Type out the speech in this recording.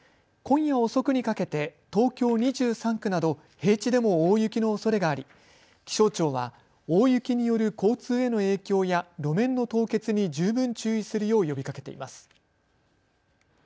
今夜遅くにかけて東京２３区など平地でも大雪のおそれがあり気象庁は大雪による交通への影響や路面の凍結に十分注意するよう呼びかけています。